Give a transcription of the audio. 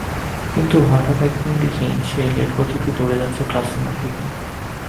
কিন্তু হঠাৎ একদিন দেখি, সেই লেট লতিফই দৌড়ে যাচ্ছে ক্লাসরুমের দিকে।